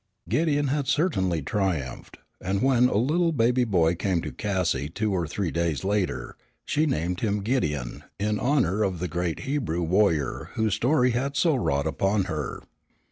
Gideon had certainly triumphed, and when a little boy baby came to Cassie two or three days later, she named him Gideon in honor of the great Hebrew warrior whose story had so wrought upon her.